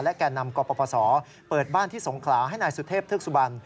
และแก่นำกปสเปิดบ้านที่สงคราให้นายสุเทพธุกษุบัน